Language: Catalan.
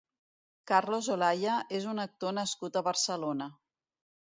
Carlos Olalla és un actor nascut a Barcelona.